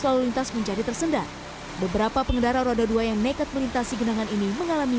lalu lintas menjadi tersendat beberapa pengendara roda dua yang nekat melintasi genangan ini mengalami